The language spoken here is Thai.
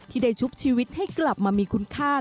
ที่ได้ชุบชีวิตให้กลับมามีคุณค่า